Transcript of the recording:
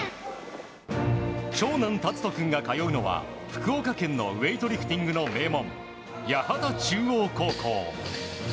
長男・尊君が通うのは福岡県のウエイトリフティングの名門八幡中央高校。